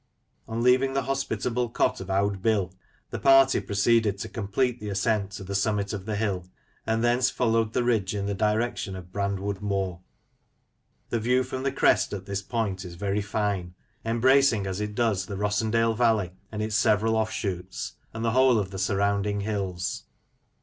On leaving the hospitable cot of " Owd Bill," the party proceeded to complete the ascent to the summit of the hill, and thence followed the ridge in the direction of Brandwood Moor. The view from the crest at this point is very fine, Afield with the Geologists. 99 embracing, as it does, the Rossendale valley and its several offshoots, and the whole of the surrounding hills.